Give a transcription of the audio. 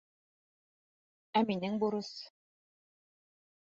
Ә минең бурыс?